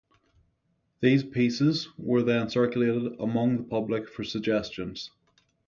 These pieces were then circulated among the public for suggestions.